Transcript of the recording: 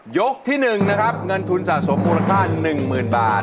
ที่๑นะครับเงินทุนสะสมมูลค่า๑๐๐๐บาท